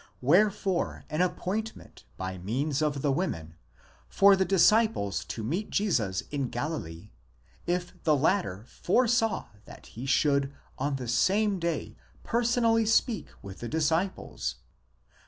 wherefore an appointment by means of the women, for the disciples to meet Jesus in Galilee, if the latter foresaw that he should on the same day personally speak with the disciples?